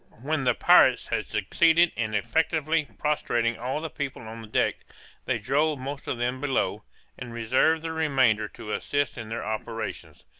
_] When the pirates had succeeded in effectually prostrating all the people on deck, they drove most of them below, and reserved the remainder to assist in their operations.